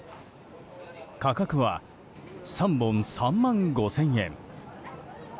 価格は３本３万５０００円。